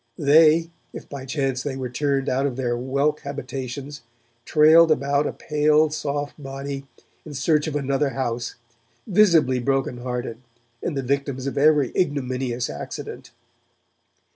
They, if by chance they were turned out of their whelk habitations, trailed about a pale soft body in search of another house, visibly broken hearted and the victims of every ignominious accident.